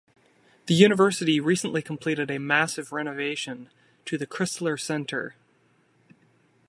The University recently completed a massive renovation to the Crisler Center.